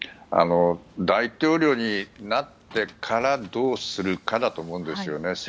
大統領になってからどうするかだと思うんですよね。